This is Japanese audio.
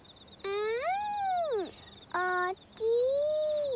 うん！